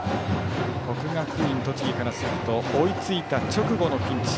国学院栃木からすると追いついた直後のピンチ。